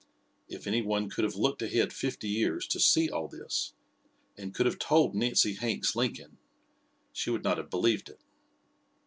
If any one could have looked ahead fifty years to see all this, and could have told Nancy Hanks Lincoln, she would not have believed it.